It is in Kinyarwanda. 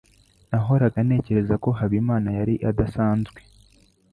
Nahoraga ntekereza ko Habimana yari adasanzwe.